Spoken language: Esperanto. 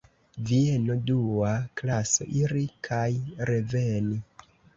Vieno, dua klaso, iri kaj reveni.